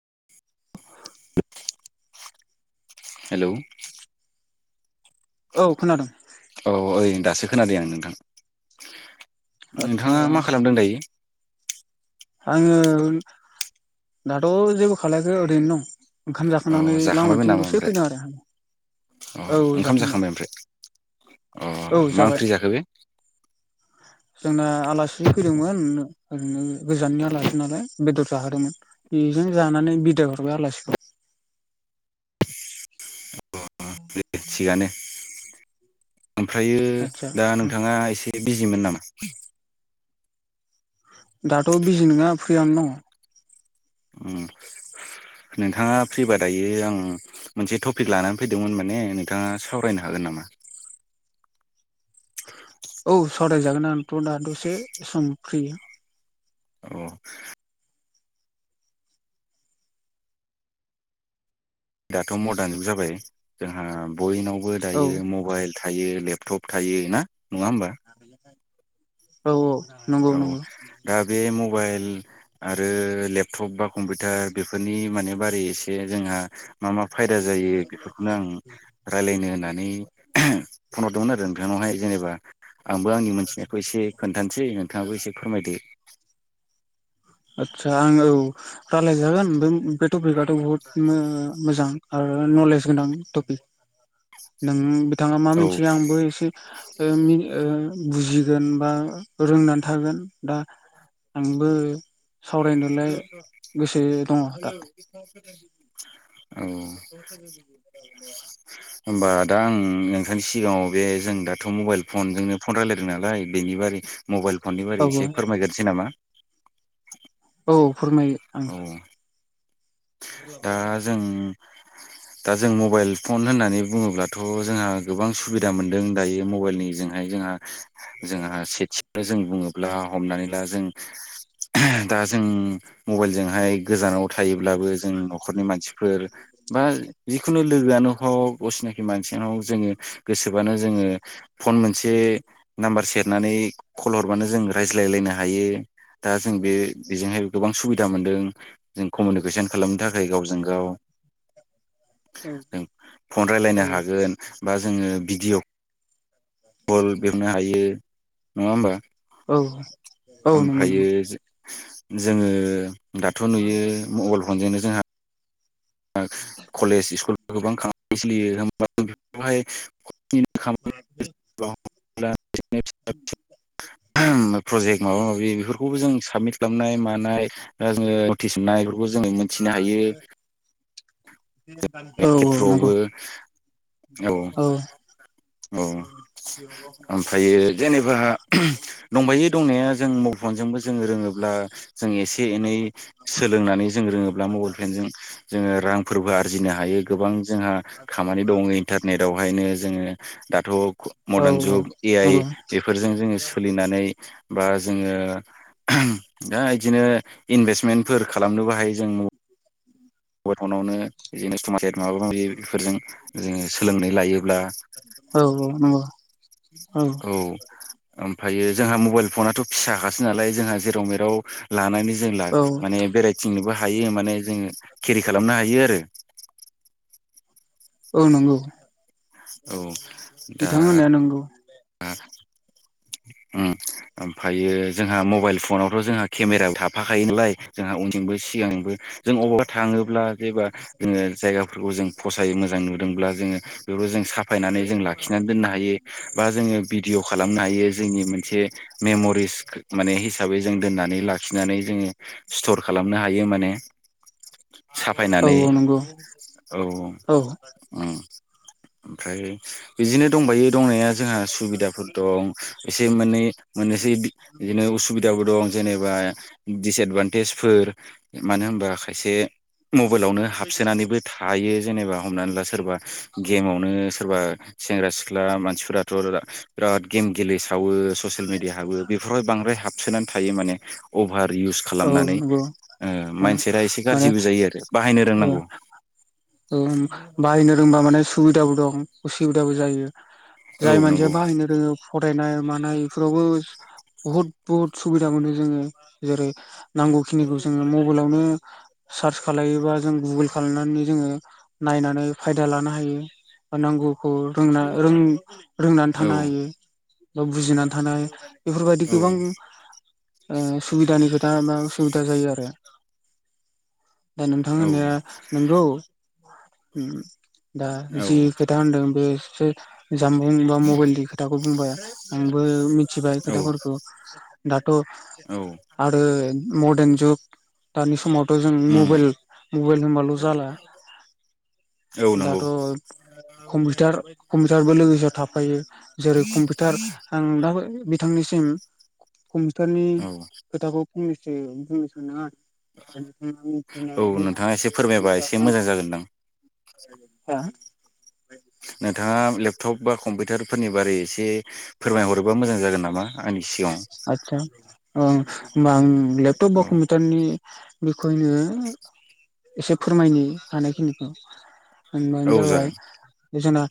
[unintelligible] Hello औ खोनादों। औ ओइ दासो खोनादों आं नोंथां आदसा नोंथाङा मा खालामदों दायो? आङो दाथ' जेबो खालाखै ओरैनो दं ओंखाम अ जाखांनानै जाखांबायमोन लामाथिं नामा दसे ओमफ्राय फैदों आरो आं अ ओंखाम जाखांबाय ओमफ्राय औ अ मा जाबाय ओंख्रि जाखो बे जोंना आलासि फैदोंमोन ओरैनो गोजाननि आलासि नालाय बेदर जाहोदोंमोन बेजों जानानै बिदाय हरबाय आलासिखौ [inaudible] दे थिगानो ओमफ्रयो आदसा दा नोंथाङा एसे बिजिमोन नामा? दाथ' बिजि नङा फ्रियानो दङ उम नोंथाङा फ्रिबा दायो आं मोनसे टपिक लानानै फैदोंमोन माने नोंथाङा सावरायनो हागोन नामा औ सराय जागोन आंथ दा से सम फ्रि औ दाथ' मदार्न जुग जाबाय जोंहा बयनावबो औ दायो मबाइल थायो लेपटप थायो ना नङा होमबा? औ औ नंगौ औ नंगौ दा बे मबाइल आरो लेपटप बा कम्पिउटार बेफोरनि माने बारै एसे जोंहा मा मा फायदा जायो बेफोरखौनो आं रायलायनो होननानै फन हरदोंमोन आरो नोंथां बेहाय जेनेबा आंबो आंनि मोनथिनायखौ एसे खोन्थानोसै नोंथाङाबो एसे फोरमायदो आतसा आं औ रालायजागोन टपिकआाथ' बहुत मोजां आरो नलेज गोनां टपिक नों थाङा मा औ मिथियो आंबो एसे [unintelligible] गोन बा रोंनानै थागोन दा आंबो सावरायनोलाय गोसो दङ दा औ [inaudible] होमबा दा आं नोंथांनि सिगाङाव बे जों दाथ' मबाइल फनजोंनो फन रायलायदों नालाय बेनि बारै मबाइल फननि औ बारै एसे फोरमायग्रोनोसै नामा? औ फोरमायो औ आंबो दा जों दा जों मबाइल फन होननानै बुङोब्लाथ' जोंहा गोबां सुबिदा मोनदों दायो मबाइल निजोंहाय जोंहा जोंहा सेथिसे जों बुङोब ब्ला हमनानै ला जों दा जों मबाइलजोंहाय गोजानाव थायोब्लाबो जों न'खरनि मानसिफोर बा जिखुनु लोगोआनो हक सिङाव जोङो गोसोबानो जोङो फन मोनसे नाम्बार सेरनानै कल हर ब्लानो जों राय्लायायनो हायो दा जों बे बेजोंहाय गोबां सुबिदा मोनदों जों कमिउनिकेसन खालामनो थाखाय गावजों गाव औ फन रायलायनो हागोन बा जोङो भिडिय' कल बेवनो हायो नङा होमबा औ औ नंगौ ओमफ्रायो नंगौ जोङो दाथ' नुयो मबाइल फनजोंनो जोंहा कलेज स्कुल गोबां खामानि सोलियो हमबाथ बेफोरावहाय [inaudible] [unintelligible] [inaudible] प्रजेक्ट माबा माबि बेफोरखौबो जों साबमिट खालामनाय मानाय दा जोङो नटिस मोननाय बेफोरखौ जोङो मोनथिनो हायो नंगौ खेथ्र'आवबो औ औ ओमफ्रायो जेनेबा दंबायो दंनाया जों [inaudible] [inaudible] जोङ रोङोब्ला जों एसे एनै सोलोंनानै जों रोङोब्ला मबाइल फेनजों जोङो रांफोरबो आरजिनो हायो गोबां जोंहा खामानि दङ इन्टारनेटवहायनो जोङो दाथ' औ नंगौ औ मरदान जुग ए आइ नंगौ बेफोरजों जोङो सोलिनानै बा जोङो दा इदिनो इनभेस्टमेन्टफोर खालामनोबो हायो जों मबेल फनावनो [inaudible] माबा माबि बेफोरजों जोङो सोलोंनानै लायो औ औ नंगौ औ ओमफ्रायो जोंहा मबाइल फनाथ' फिसााखासो नालाय जोंहा जेराव मेराव लानानै जों ला औ माने बेरायथिंनोबो हायो माने जोङो केरि खालामनो हायो आरो औ नंगौ औ दा बिथां होननाया नंगौ [inaudible] [unintelligible] उम ओमफ्रायो जोंहा मबाइल फनावथ' जोंहा केमेरायाव थाफाखायो नालाय जोंहा उनजोंबो सिगांजोंबो जों अबावबा थाङोब्ला जेबा जोङो जायगाफोरखौ जों फसायो मोजां नुदोंब्ला जोङो बेबो जों साफायनानै जों लाखिनानै दोननो हायो बा जोङो भिडिअ खालामनो हायो जोंनि मोनसे मेमरिस माने हिसाब बै जों दोननानै लाखिनानै जोङो स्थर खालामनो हायो माने औ साफायनानै औ नंगौ औ औ उम ओमफ्राय बिदिनो दंबायो दंनाया जोंहा सुबिदाफोर दं एसे मोननै मोननोसै बि बिदिनो असुबिदाबो दं जेनेबा दिसएदभान्टेजफोर मानो होनबा खायसे मबाइलावनो हाबसोनानैबो थायो जेनेबा हमनानै ला सोरबा गेमावनो सोरबा सेंग्रा सिख्ला मानसिफोराथ' बिराद गेम गेलेस सावो ससियेल मिडिया हाबो बेफोरावाय बांद्राय हाबसोनानै थायो माने अभार इउस औ खालामनानै नंगौ ओ माइनसेरा एसे माने गाज्रिबो जायो आरो बाहायनो ओ रोंनांगौ उम बाहायनो रोंबा माने सुबिदाबो दं उसुबिदाबो जायो औ जाय मानसिया नंगौ बाहायनो रोङो फरायनाय मानाय बेफोरावबो बहुत बुहुद सुबिदा मोनो जोङो जेरै नांगौखिनिखौ जोङो मबाइलावनो सार्च खालामलायोबा जों गुगोल खालामनानै जोङो नायनानै फायदा लानो हायो बा नांगौ खौ रोंना रोंनानै थानो औ हायो बा बुजिनानै थानो हायो। बेफोरबायदि औ गोबां ओ सुबिदानि खोथा मा सुबिदा जायो आरो। बिथां औ होननाया नंगौ उम दा औ जि खोथा होनदों बे जे जामबुं बा मबाइलनि खोथाखौ बुंबाय आंबो मिथिबाय औ खोथाफोरखौ दाथ' औ आरो मडार्न जुग दानि समावथ' जों उम मबाइल मबाइल होनबाल' जाला औ नंगौ दाथ' कम्पिउटार कम्पिउटारबो लोगोसे थाफायो जेरै कम्पिउटार आं दा बिथांनिसिम कम्पिउटारनि औ खोथाखौ फंनैसो बुंनो सानदों आरो नोंथाङा मिथिनाय नोंथाङा एसे फोरमायबा एसे मोजां जागोनदां हा नोंथाङा लेपटप बा कम्पिउटारफोरनि बारै एसे फोरमायहरोबा मोजां जागोन नामा आंनि सिगाङाव आतसा ओं होनबा आं लेपटप बा औ कम्पिउटारनि बेखौनो एसे फोरमायनि हानायखिनिखौ होनबानो औ जाबाय जागोन जोंना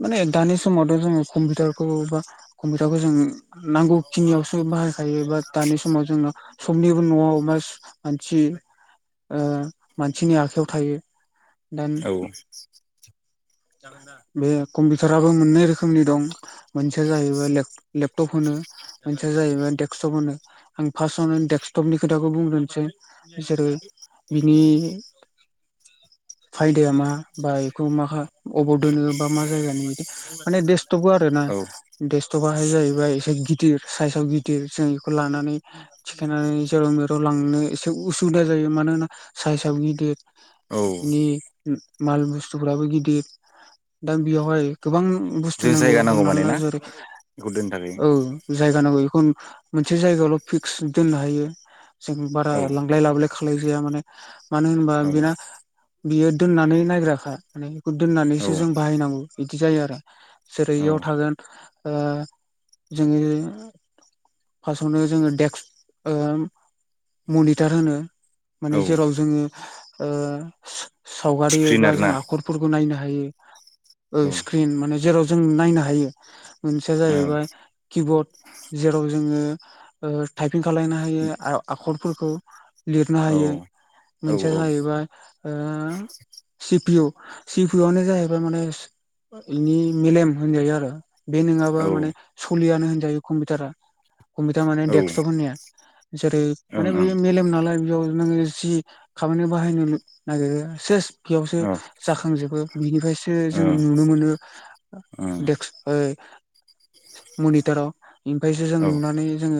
माने दानि समावथ' जोङो कम्पिउटारखौ बा कम्पिउटारखौ जोंनो नांगौ खिनियावसो बाहायखायो बा दानि समाव जोङो सबनिबो न'आव मा मानसि ओ मानसिनि आखायाव थायो दा औ बे कम्पिउटाराबो मोननै रोखोमनि दं मोनसेया जाहैबाय लेप लेप टप होनो मोनसेया जाहैबाय डेक्सटप होनो आं फार्स्टआवनो डेक्सटपनि खोथाखौ बुंग्रोनोसै। जेरै बिनि फायदाया मा? बा बेखौ मा अबाव दोनो बा मा जायगानि बिदि माने देस्टपबो आरोना औ देक्सटपआहाय जाहैबाय एसे गिद दिर साइसाव गिदिर जों बेखौ लानानै थिखांनानै जेराव मेराव लांनो एसे उसुबिदा जायो मानोना साइस आव गिदिर औ बिनि मा माल बुस्थुफोराबो गिदिर दा बेयावहाय गोबां बुस्थु जों नांगौ जायगा हमना माने ला ना जेरै बेखौ दोननो थाखाय औ जायगा नांगौ बेखौ मोनसे जायगायावल' फिक्स दोननो हायो जों बारा औ लांलाय लाबोलाय खालायनो जाया माने मानो होनोबा औ बेना बियो दोननानै नायग्राखा माने बेखौ औ दोननानैसो जों बाहायनांगौ बिदि जायो आरो जेरै औ इयाव थागोन ओ जोङो फार्स्टआवनो जोङो देक्स ओ मनिटार होनो औ माने जेराव जोङो ओ सावगारि स्क्रिन एबा जों आरोना आखरफोरखौ नायनो हायो ओ औ स्क्रिन माने जेराव जों नायनो हायो मोनसेया औ जाहैबाय किबर्ड जेराव जोङो ओ टाइपिं खालायनो हायो आ आखरफोरखौ लिरनो औ हायो मोनसेया औ जाहैबाय ओ सि पि इउ सिपि इउआनो जाहैबाय माने इनि मेलेम होनजायो आरो बे नोङाबा माने सलियानो होनजायो कम्पिउटारा कम्पिउटार माने औ डेक्सटप होननाया जेरै माने बे मेलेम नालाय बेयाव नोङो जि खामानियाव बाहायनो नागिरो सेस बेयावसो जाखांजोबो बिनिफ्रायसो जों नुनो मोनो डेक्स ऐ मनिटाराव ओमफ्रायसो जों औ नुनानै जोङो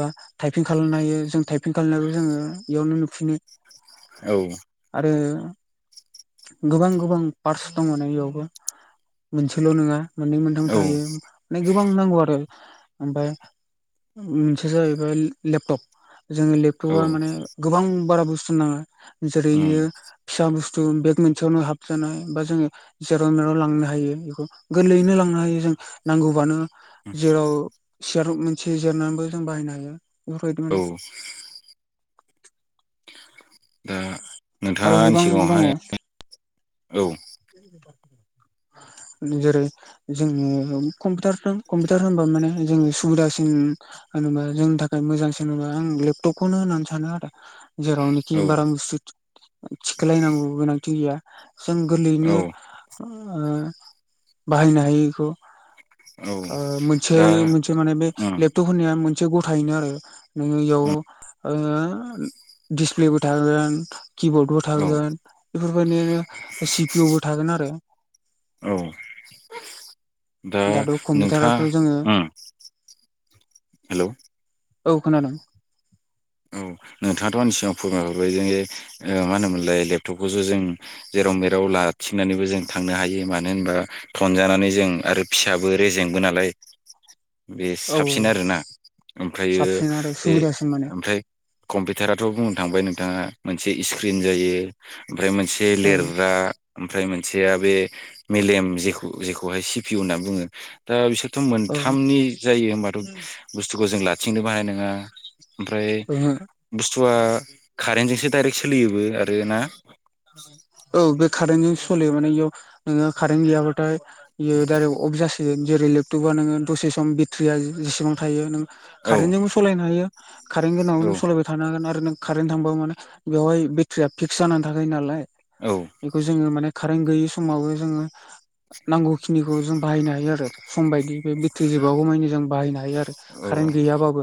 बा टाइपिं खालामनो हायो जों टाइपिं खालामनायखौ जोङो इयावनो नुफिनो औ ओ गोबां गोबां पार्टस दङ ना बेयावबो मोनसेल' नङा मोननै मोनथाम ओं ओ ओ औ थायो माने गोबां नांगौ आरो ओमफ्राय मोनसेया जाहैबाय लेपटप जोंनि औ लेपटपआ माने गोबां बारा बुस्थु नाङा जेरै उम आरो फिसा बुस्थु थु बेग मोनसेयावनो हाबजानाय बा जोङो जेराव मेराव लांनो हायो गोरलैयैनो लांनो हायो जों नांगौबानो जेराव सियाराव मोनसे जिरनानैबो जों बाहायनो हायो। बेफोरबायदि औ। माने दा नोंथाङा आरो आंनि गोबां सिगाङावहाय औ [inaudible] जेरै जोङो न'आव कम्पिउटारफोर‌ कम्पिउटार होनबा माने जोङो सुबिदासिन होनबा जोंनि थाखाय मोजांसिन होनबा आं लेपटपखौनो होननानै सानो आरो। जेरावनोखि औ बारा बुस्थु थिखोलायनांगौ गोनांथि गैया जों गोरलैयैनो औ ओ बाहायनो हायो बेखौ औ ओ मोनसे दा इयो‌ मोनसे माने बे उम लेपटप होन्नाया मोनसे गथायैनो आरो नोङो इयाव ओ दिसप्लेबो थागोन किबर्डबो औ थागोन बेफोरबायदिनो सिपिअ'बो थागोन आरो [inaudible] दाथ' नोंथाङा कम्पिउटाराथ' जोङो उम हेलौ औ औ खोनादों। औ। नोंथाङाथ' आंनि सिगांव फोरमायहरबाय जे ओ मा होनोमोनलाय लेपटपखौ जों जेराव मेराव लाबथिंनानैबो जों थांनो हायो मानो होनबा थनजानानै जों आरो फिसाबो रेजेंबो नालाय बे औ साबसिन आरोना ओमफ्रायो साबसिन आरो बे सुबिदासिन माने ओमफ्राय कम्पिउटाराथ' बुंनो थांबाय नोंथाङा मोनसे स्क्रिन जायो ओमफ्राय मोनसे औ लिरग्रा ओमफ्राय मोनसेया बे मेलेम जे जेखौहाय सि पि इउ होनना बुङो दा बिसोर थ' औ मोनथामनि जायो होमबाथ' बुस्थुखौ जों लाथिंनोबो हानाय नङा। ओमफ्राय ओहो बुस्थुआ कारेन्टजोंसो डाइरेक्ट सोलियो। औ बे कारेन्टजों सलियो माने इयाव नोङो कारेन्ट गैयाबाथाय बेयो दडाइरेक्ट अफ जासि [unintelligible] जेरै लेपटपा नोङो दसे सम बेट्रिया जेसेबां थायो नों औ कारेन्टजोंबो सालायनो हायो कारेन्ट गोनाङाव औ नों सालायबाय थानो हागोन आरो नों कारेन्ट थांबा माने बेवहाय बेटारिया फिक्स जानानै थाखायो नालाय औ बेखौ जोङो माने कारेन्ट गैयि समावबो जोङो नांगौखिनि खौ जों बाहायनो हायो आरो सम बायदि बे बेथ्रि जोबागौ मानि जों बाहायनो हायो। हायो आरो औ कारेन्ट गैयाबाबो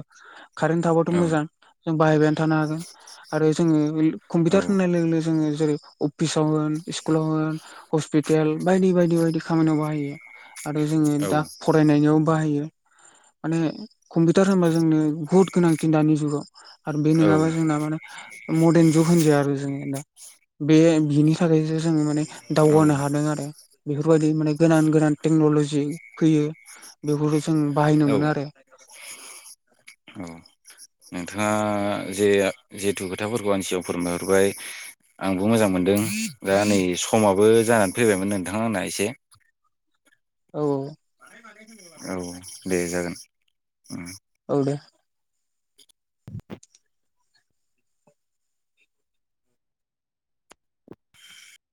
कारेन्ट थाबाथ' औ मोजां। जों बाहायबायानो थानो हागोन आरो जोङो कम्पिउटार औ होननाय लोगो लोगो जोङो जेरै अफिसाव होन स्कुलाव होन हस्पितेल बायदि बायदि बायदि खामानियाव बाहायो। आरो जोङो दा फरायनायनियाव बाहायो माने कम्पिउटार होनबा जोंनो बहुत गोनांथि दानि जुगाव आरो बे नङाबा जोंना माने मर्दान जुग होनजाया आरो जोंनिया दा बे बिनि थाखायसो जों माने औ दावगानो हादों आरो बेफोरबायदि माने गोदान गोदान टेक्न'लजि बुजि फैयो बेफोरखौ जों बाहायनो औ मोनो आरो। औ नोंथाङा जे जिथु खोथाफोरखौ आं सिगाव फोरमायहरबाय आंबो मोजां मोनदों। दा नै समाबो जानानै फैबायमोन नोंथां आंना एसे औ औ। औ दे जागोन उम। औ दे। [inaudible]